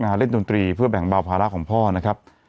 เล่นดนตรีเพื่อแบ่งเบาภาระของพ่อนะครับ